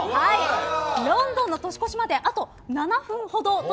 ロンドンの年越しまであと７分ほど。